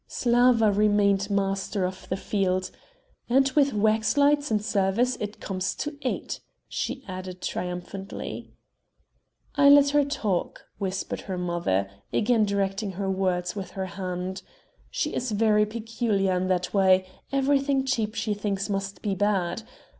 Slawa remained master of the field; "and with wax lights and service it comes to eight," she added triumphantly. "I let her talk," whispered her mother, again directing her words with her hand, "she is very peculiar in that way; everything cheap she thinks must be bad.